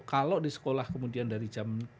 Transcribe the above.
kalau di sekolah kemudian dari jam